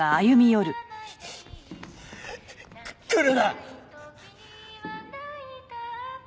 来るな！